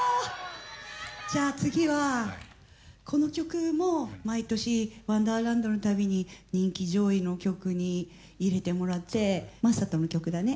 じゃあ次はこの曲も毎年ワンダーランドのたびに人気上位の曲に入れてもらって正人の曲だね。